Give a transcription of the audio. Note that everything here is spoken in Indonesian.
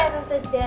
boleh om miss kiki